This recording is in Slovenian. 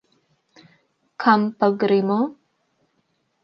Kam pa gremo?